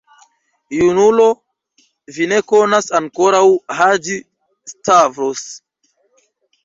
Junulo, vi ne konas ankoraŭ Haĝi-Stavros.